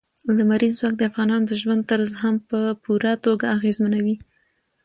لمریز ځواک د افغانانو د ژوند طرز هم په پوره توګه اغېزمنوي.